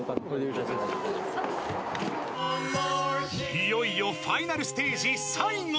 ［いよいよファイナルステージ最後］